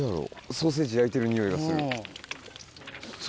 ソーセージ焼いてるにおいがする。